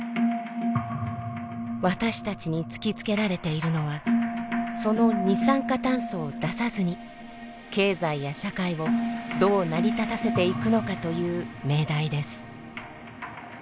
私たちに突きつけられているのはその二酸化炭素を出さずに経済や社会をどう成り立たせていくのかという命題です。